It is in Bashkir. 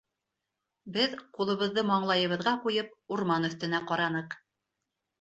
Беҙ, ҡулыбыҙҙы маңлайыбыҙға ҡуйып, урман өҫтөнә ҡараныҡ.